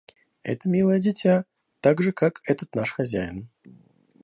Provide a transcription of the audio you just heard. Это милое дитя, так же как этот наш хозяин.